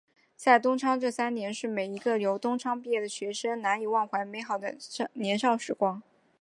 在东昌的这三年是每一个从东昌毕业的学生难以忘怀美好的年少时光。